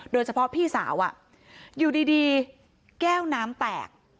โดยเฉพาะพี่สาวอยู่ดีแก้วน้ำแตก